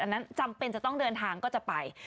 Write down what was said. อันนั้นจำเป็นจะต้องเดินทางก็จะไป